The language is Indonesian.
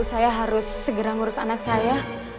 saya harus segera ngurus anak saya